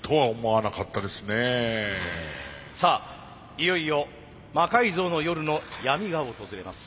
いよいよ「魔改造の夜」の闇が訪れます。